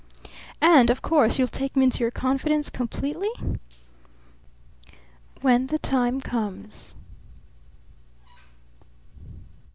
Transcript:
"And, of course, you'll take me into your confidence completely?" "When the time comes.